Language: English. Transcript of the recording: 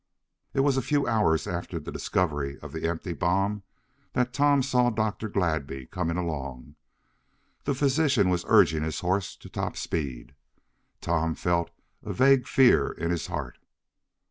It was a few hours after the discovery of the empty bomb that Tom saw Dr. Gladby coming along. The physician was urging his horse to top speed. Tom felt a vague fear in his heart.